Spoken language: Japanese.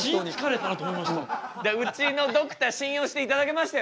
うちのドクター信用していただけましたよね？